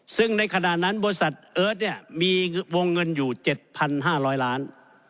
ซึ่งในขณะนั้นบริษัทเอิร์ทเนี่ยมีวงเงินอยู่๗๕๐๐ล้าน